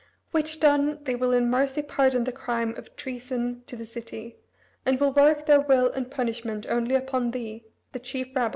Which done they will in mercy pardon the crime of treason to the city, and will work their will and punishment only upon thee the chief rebel.